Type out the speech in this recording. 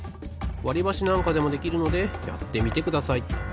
わりばしなんかでもできるのでやってみてください。